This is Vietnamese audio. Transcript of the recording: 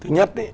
thứ nhất ấy